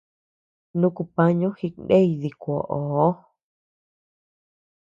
Nuku pañu jikney dikuoʼoo.